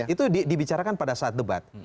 itu dibicarakan pada saat debat